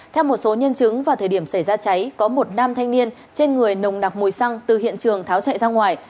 theo một số nhân chứng vào thời điểm xảy ra cháy có một nam thanh niên trên người nồng nặc mùi xăng từ hiện trường tháo chạy ra ngoài